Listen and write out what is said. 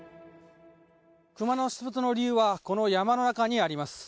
クマの出没の理由は、この山の中にあります。